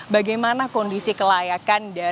bagaimana kondisi kelayakan